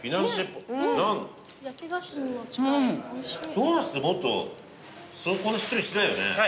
ドーナツってこんなしっとりしてないよね。